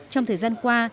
trong thời gian qua